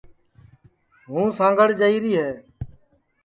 ہوں سانٚگھڑ جائیری ہے